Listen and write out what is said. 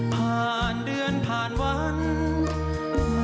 ผ่านเดือนผ่านวันเมื่อมันจะผ่านไป